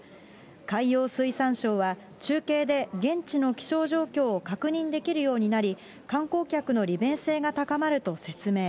海洋水産省は、中継で現地の気象状況を確認できるようになり、観光客の利便性が高まると説明。